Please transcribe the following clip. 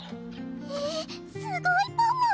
えぇすごいパム！